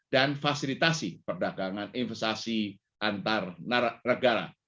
dan fasilitasi perdagangan investasi antar negara